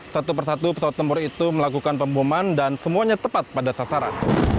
satu persatu pesawat tempur itu melakukan pemboman dan semuanya tepat pada sasaran